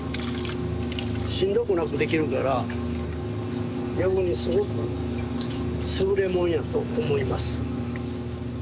しんどくなくできるから逆にすごく優れもんやと思います。